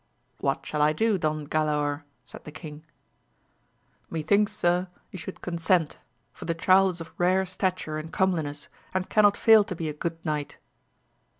What shall I do, Don Galaor ? said the king. — Me thinks, sir, you should consent; for the child is of rare stature and comeliness, and cannot fail to be a good knight.